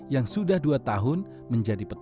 yang sudah dua tahun menjadi petani